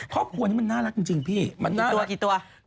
พ่อพัวนี่มันน่ารักจริงพี่มันน่ารักใช่ไหมมีตัวกี่ตัว